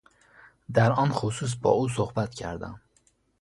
در آن خصوص با او صحبت کردم